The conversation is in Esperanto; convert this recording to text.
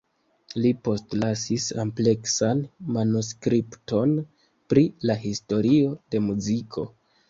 Li postlasis ampleksan manuskripton pri la historio de muziko.